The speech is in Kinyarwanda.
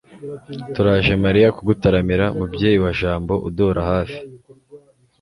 turaje mariya kugutaramira, mubyeyi wa jambo uduhora hafi